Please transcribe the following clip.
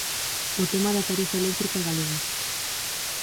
O tema da tarifa eléctrica galega.